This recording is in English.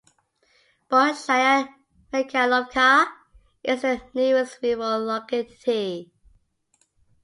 Bolshaya Mikhaylovka is the nearest rural locality.